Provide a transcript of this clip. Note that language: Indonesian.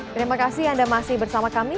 terima kasih anda masih bersama kami